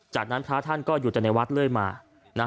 จากนั้นพระท่านก็อยู่จากในวัดแล้วมา